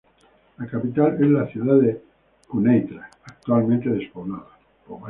La capital es la ciudad de Quneitra, actualmente despoblada.